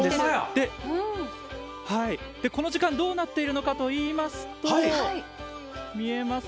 この時間どうなっているのかといいますと。